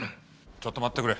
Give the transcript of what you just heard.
ちょっと待ってくれ。